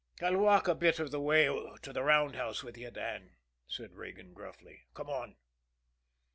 "I'll walk over a bit of the way to the roundhouse with you, Dan," said Regan gruffly. "Come on."